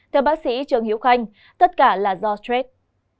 theo bác sĩ trường hiếu khanh tất cả là do stress